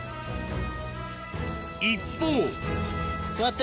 一方。